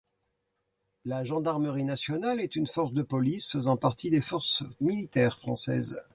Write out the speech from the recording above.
La Gendarmerie nationale est une force de police faisant partie des forces militaires française.